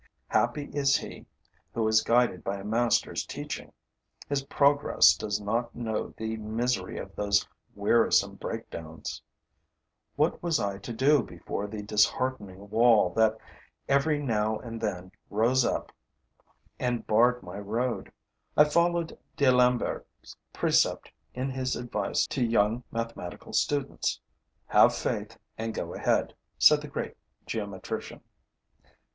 Happy is he who is guided by a master's teaching! His progress does not know the misery of those wearisome breakdowns. What was I to do before the disheartening wall that every now and then rose up and barred my road? I followed d'Alembert's precept in his advice to young mathematical students: 'Have faith and go ahead,' said the great geometrician.